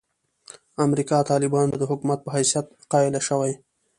امریکا طالبانو ته د حکومت په حیثیت قایله شوې.